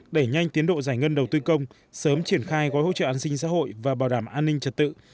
đẩy nhanh tiến độ giải ngân đầu tư công sớm triển khai gói hỗ trợ an sinh xã hội và bảo đảm an ninh trật tự